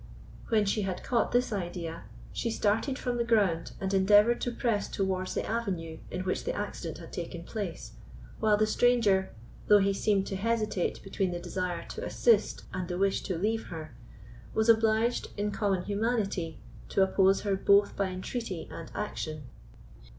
When she had caught this idea, she started from the ground and endeavoured to press towards the avenue in which the accident had taken place, while the stranger, though he seemed to hesitate between the desire to assist and the wish to leave her, was obliged, in common humanity, to oppose her both by entreaty and action.